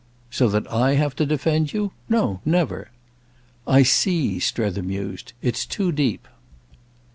"So that I have to defend you? No, never.' "I see," Strether mused. "It's too deep."